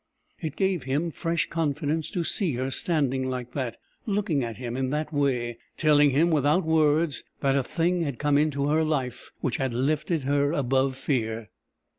It gave him fresh confidence to see her standing like that, looking at him in that way, telling him without words that a thing had come into her life which had lifted her above fear.